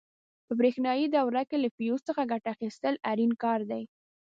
په برېښنایي دورو کې له فیوز څخه ګټه اخیستل اړین کار دی.